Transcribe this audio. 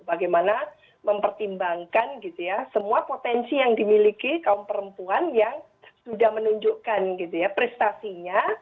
bagaimana mempertimbangkan gitu ya semua potensi yang dimiliki kaum perempuan yang sudah menunjukkan gitu ya prestasinya